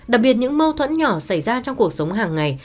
đặc biệt những mâu thuẫn nhỏ xảy ra trong cuộc sống hàng ngày